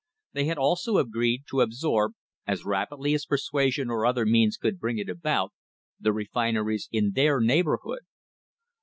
They had also agreed to absorb, as rapidly as persuasion or other means could bring it about, the refineries in their neighbourhood.